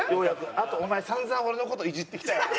あとお前散々俺の事いじってきたよな。